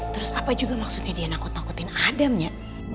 terus apa juga maksudnya dia nakut nakutin adamnya